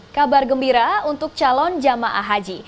kabar gembira untuk calon jemaah haji